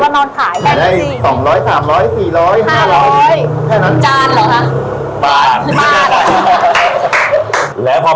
มันพลิกเลยป่ะคะ